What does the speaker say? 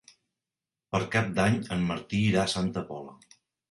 Per Cap d'Any en Martí irà a Santa Pola.